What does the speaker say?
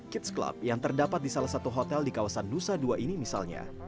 kids club yang terdapat di salah satu hotel di kawasan nusa dua ini misalnya